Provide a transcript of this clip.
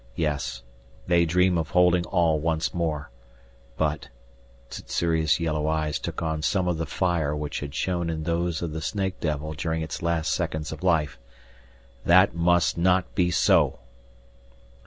Yes, they dream of holding all once more. But" Sssuri's yellow eyes took on some of the fire which had shone in those of the snake devil during its last seconds of life "that must not be so!"